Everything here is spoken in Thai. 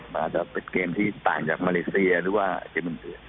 อาจจะเป็นเกมที่ต่างจากมาเลเซียหรือว่าเกมอื่น